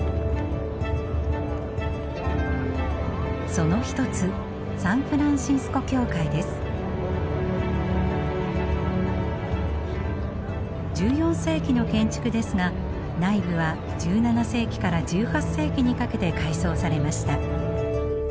その一つ１４世紀の建築ですが内部は１７世紀から１８世紀にかけて改装されました。